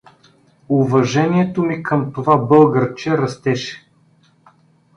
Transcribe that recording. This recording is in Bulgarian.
Уважението ми към това българче растеше.